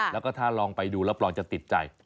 แล้วก็ถ้าลองไปดูแล้วปลอดภัยจะติดใจ